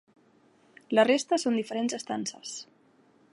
La resta són diferents estances.